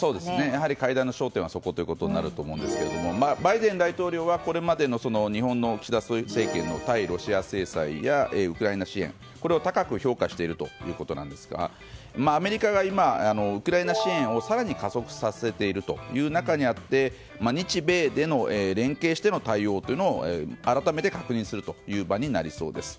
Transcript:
やはり会談の焦点はそこということになると思うんですがバイデン大統領はこれまでの日本の岸田政権の対ロシア制裁やウクライナ支援を高く評価しているということですがアメリカが今、ウクライナ支援を更に加速させているという中にあって日米での連携しての対応を改めて確認するという場になりそうです。